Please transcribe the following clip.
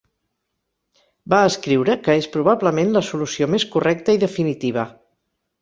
Va escriure que és probablement la solució més correcta i definitiva.